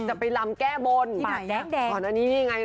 จะไปรำแก้บน